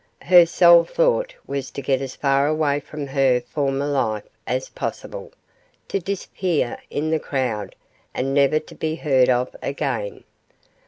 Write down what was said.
Her sole thought was to get as far away from her former life as possible to disappear in the crowd and never to be heard of again.